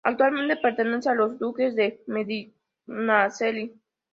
Actualmente pertenece a los duques de Medinaceli.